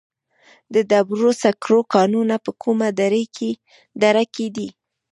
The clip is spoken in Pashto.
د ډبرو سکرو کانونه په کومه دره کې دي؟